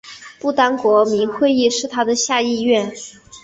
不丹国民议会是它的下议院。